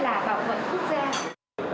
là bảo vận quốc gia